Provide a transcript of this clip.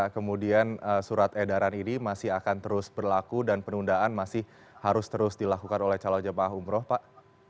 kemudian surat edaran ini masih akan terus berlaku dan penundaan masih harus terus dilakukan oleh calon jemaah umroh pak